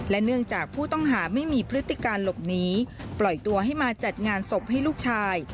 เนื่องจากผู้ต้องหาไม่มีพฤติการหลบหนีปล่อยตัวให้มาจัดงานศพให้ลูกชาย